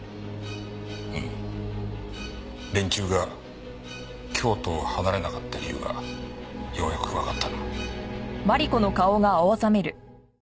うん連中が京都を離れなかった理由がようやくわかったな。